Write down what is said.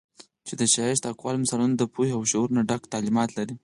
چې د ښائسته اقوالو، مثالونو د پوهې او شعور نه ډک تعليمات لري